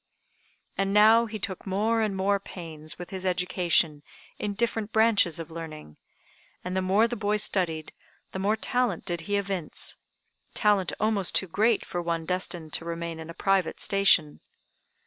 And now he took more and more pains with his education in different branches of learning; and the more the boy studied, the more talent did he evince talent almost too great for one destined to remain in a private station.